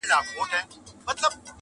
نن هغه غشي د خور ټيكري پېيلي-